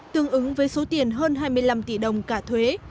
tương ứng với số tiền hơn hai mươi năm tỷ đồng cả thuế